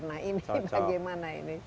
ini bagaimana ini